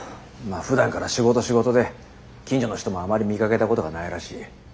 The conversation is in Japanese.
あふだんから仕事仕事で近所の人もあまり見かけたことがないらしい。